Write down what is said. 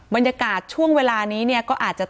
มันอยากจะการช่วงเวลานี้เนี่ย